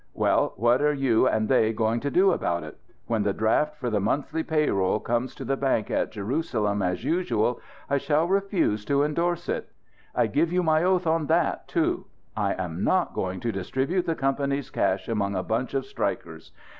Well what are you and they going to do about it? When the draft for the monthly pay roll comes to the bank, at Jerusalem as usual, I shall refuse to indorse it. I give you my oath on that, too. I am not going to distribute the company's cash among a bunch of strikers.